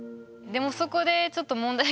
でもそこでちょっと問題があって。